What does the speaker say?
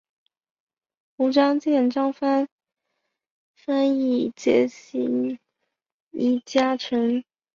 胡璋剑杨帆潘羿捷移佳辰